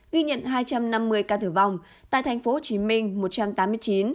ghi nhận hai trăm năm mươi ca tử vong tại thành phố hồ chí minh một trăm tám mươi chín